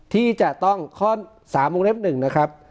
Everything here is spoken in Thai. ที่จะต้องข้อสามบุคลิปหนึ่งนะครับ